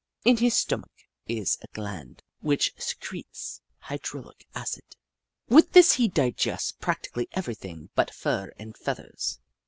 In his stomach is a gland which secretes hydrochloric acid. With this he digests practically everything but fur and feathers.